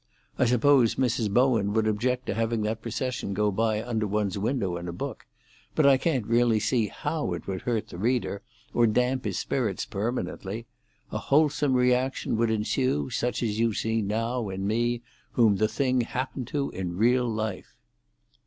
I suppose Mrs. Bowen would object to having that procession go by under one's window in a book; but I can't really see how it would hurt the reader, or damp his spirits permanently. A wholesome reaction would ensue, such as you see now in me, whom the thing happened to in real life."